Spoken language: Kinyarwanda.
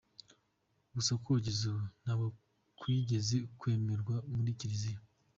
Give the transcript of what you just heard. Gusa kugeza ubu, ntabwo bwigeze bwemerwa muri Kiliziya.